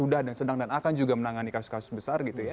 sudah dan sedang dan akan juga menangani kasus besar